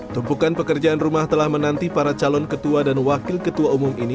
tumpukan pekerjaan rumah telah menanti para calon ketua dan wakil ketua umum ini